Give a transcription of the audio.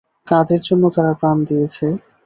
কাদের জন্য তারা প্রাণ দিয়েছে?